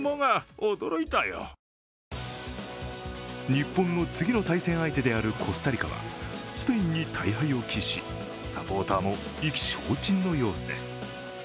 日本の次の対戦相手であるコスタリカはスペインに大敗を喫しサポーターも意気消沈の様子です。